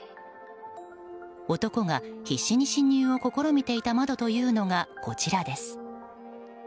男が必死に侵入を試みていた窓というのが、こちらです。